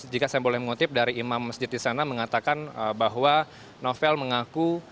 jika saya boleh mengutip dari imam masjid di sana mengatakan bahwa novel mengaku